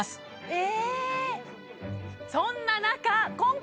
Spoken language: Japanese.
え